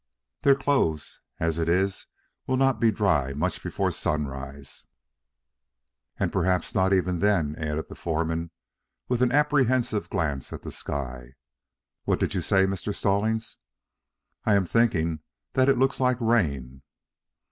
Their clothes, as it is, will not be dry much before sunrise." "And perhaps not even then," added the foreman, with an apprehensive glance at the sky. "What did you say, Mr. Stallings?" "I am thinking that it looks like rain."